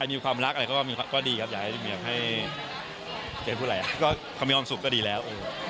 มีความรักอะไรก็ดีครับอยากให้เจ๊พูดอะไรก็เขามีความสุขก็ดีแล้ว